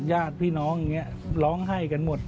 ญาติพี่น้องร้องไห้กันหมด